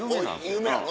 有名なの？